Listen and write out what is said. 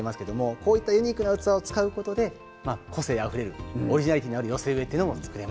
こういったユニークな器を使うことで個性あふれるオリジナリティーのある寄せ植え